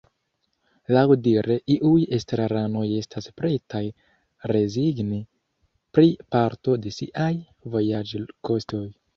Laŭdire iuj estraranoj estas pretaj rezigni pri parto de siaj vojaĝkostoj.